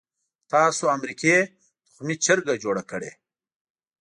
تاسو امریکې تخمي چرګه جوړه کړې.